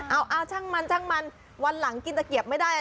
เอาช่างมันช่างมันวันหลังกินตะเกียบไม่ได้